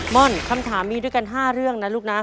่อนคำถามมีด้วยกัน๕เรื่องนะลูกนะ